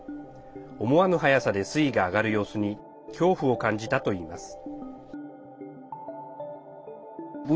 思わぬ速さで水位が上がる様子に恐怖を感じたといいます。